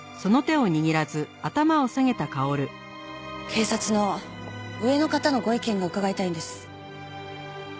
警察の上の方のご意見を伺いたいんです。